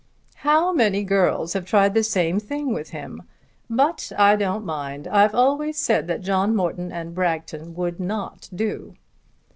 "How many girls have tried the same thing with him! But I don't mind. I've always said that John Morton and Bragton would not do."